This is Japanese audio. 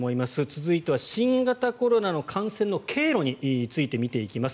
続いては新型コロナの感染の経路について見ていきます。